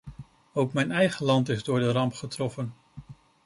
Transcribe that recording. Ook mijn eigen land is door de ramp getroffen.